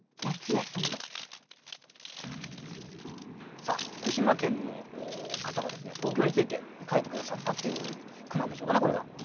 さあ福島県の方がですね東京について書いて下さったっていう句なんでしょうかねこれは。